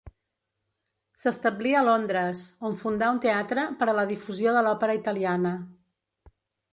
S'establí a Londres, on fundà un teatre per a la difusió de l'òpera italiana.